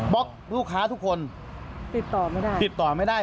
บล็อกลูกค้าทุกคนติดต่อไม่ได้